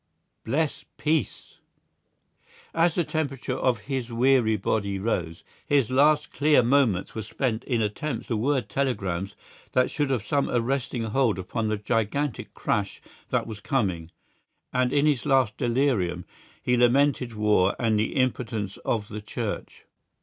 Bless peace!" As the temperature of his weary body rose, his last clear moments were spent in attempts to word telegrams that should have some arresting hold upon the gigantic crash that was coming, and in his last delirium he lamented war and the impotence of the Church....